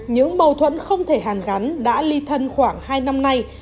những mâu thuẫn không thể hàn gắn đã ly thân khoảng hai năm nay